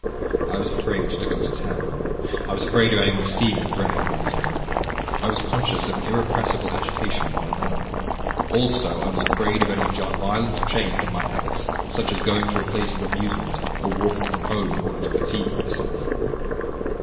"I was afraid to go into town, I was afraid of any one's seeing and recognizing me. I was conscious of an irrepressible agitation in my manner. Also, I was afraid of any violent change in my habits, such as going to a place of amusement, or walking from home in order to fatigue myself.